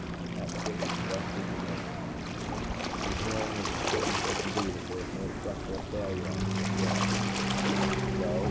"That Ship is the best we can make her," Lambert said. "Engineering is as certain as they can be that there was no structural failure on Ship I." "So?"